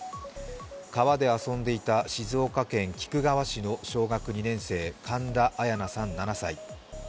川で遊んでいた静岡県菊川市の小学２年生、神田彩陽奈さん７歳。